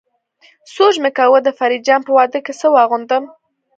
سوچ مې کاوه د فريد جان په واده کې څه واغوندم.